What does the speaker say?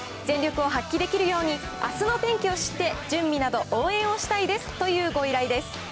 全力を発揮できるように、あすの天気を知って、準備など応援をしたいですというご依頼です。